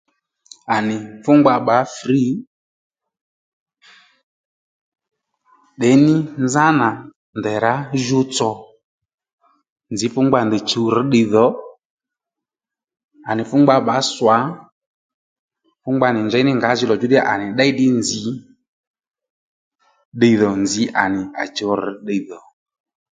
À nì fú ngba bbǎ frǐ ndeyní nzánà ndèy rǎ ju tsò nzǐ fú ngba nì ndèy chuw rř ddiydhò à nì fú ngba bbǎ swà fú ngba nì njěy nì ngǎjìní nga djú ddíyà à nì ddéy ddí nzǐ ddiydhò nzǐ à nì à chuw rř ddiydhò